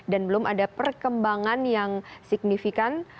dan belum ada perkembangan yang signifikan